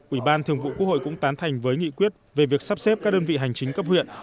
ủy ban thường vụ quốc hội cũng tán thành với nghị quyết về việc sắp xếp các đơn vị hành chính cấp huyện